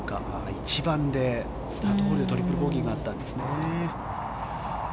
１番でスタートホールトリプルボギーがあったんですね。